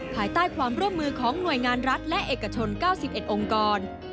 ภายใต้ความร่วมมือของหน่วยงานรัฐและเอกชน๙๑องค์กร